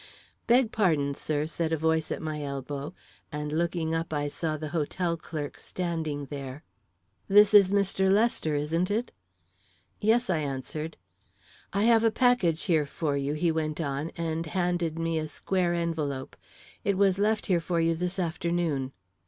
"Beg pardon, sir," said a voice at my elbow, and looking up, I saw the hotel clerk standing there. "This is Mr. Lester, isn't it?" "Yes," I answered. "I have a package here for you," he went on, and handed me a square envelope. "It was left here for you this afternoon."